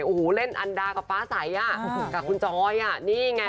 โอ้โหเล่นอันดากับป๊าไสต์อ่ะแล้วกับคุณจ๊อเฮ่ยนี่ไง